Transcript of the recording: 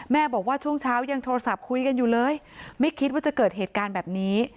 บอกว่าช่วงเช้ายังโทรศัพท์คุยกันอยู่เลยไม่คิดว่าจะเกิดเหตุการณ์แบบนี้